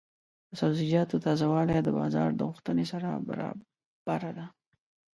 د سبزیجاتو تازه والي د بازار د غوښتنې سره برابره ده.